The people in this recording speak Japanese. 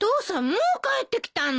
もう帰ってきたの？